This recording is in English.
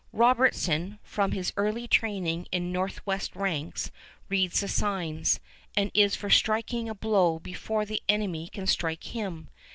Robertson, from his early training in Northwest ranks, reads the signs, and is for striking a blow before the enemy can strike him.